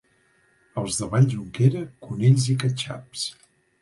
Els de Valljunquera, conills i catxaps.